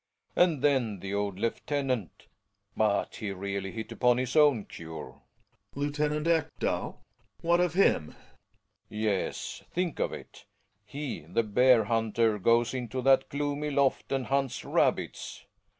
And then the old lieutenant ! But he really hit upon his own cure. Gregers. Lieutenant Ekdal ? What of him ? Belling. Yes, think of it, he, the bear hunter, goes into that gloomy loft and hunts rabbits